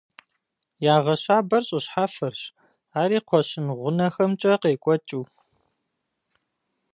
Ягъэщабэр щӏы щхьэфэрщ, ари кхъуэщын гъунэхэмкӏэ къекӏуэкӏыу.